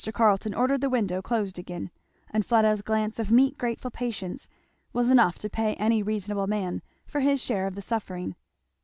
Carleton ordered the window closed again; and Fleda's glance of meek grateful patience was enough to pay any reasonable man for his share of the suffering.